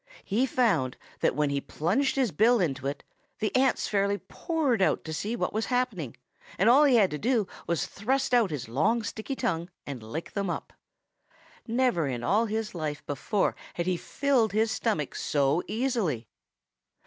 He found that when he plunged his bill into it, the ants fairly poured out to see what was happening, and all he had to do was to thrust out his long sticky tongue and lick them up. Never in all his life before had he filled his stomach so easily.